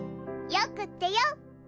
よくってよ。